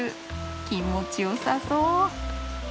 気持ちよさそう。